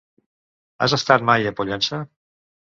Has estat mai a Pollença?